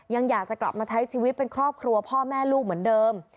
อยากจะกลับมาใช้ชีวิตเป็นครอบครัวพ่อแม่ลูกเหมือนเดิม